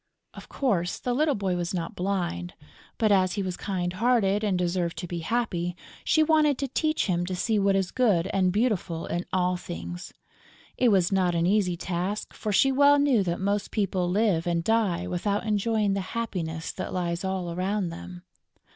Of course, the little boy was not blind; but, as he was kind hearted and deserved to be happy, she wanted to teach him to see what is good and beautiful in all things. It was not an easy task, for she well knew that most people live and die without enjoying the happiness that lies all around them.